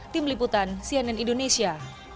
tim liputan cnn indonesia